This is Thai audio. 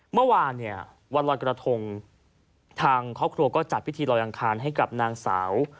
เมื่อวานเนี่ยวันรอยกระทงทางครอบครัวก็จัดพิธีลอยอังคารให้กับนางสาว